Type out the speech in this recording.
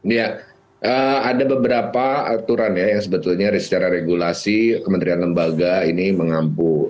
ya ada beberapa aturan ya yang sebetulnya secara regulasi kementerian lembaga ini mengampu